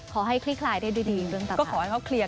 ขอให้คลิกลายได้ดีเรื่องตัดภัย